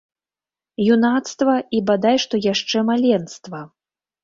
Юнацтва і бадай што яшчэ маленства!